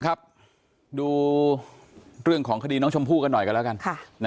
ครับดูเรื่องของคดีน้องชมพู่กันหน่อยกันแล้วกัน